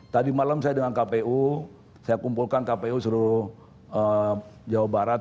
tadi malam saya dengan kpu saya kumpulkan kpu seluruh jawa barat